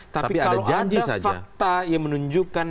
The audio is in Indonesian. tapi kalau ada fakta yang menunjukkan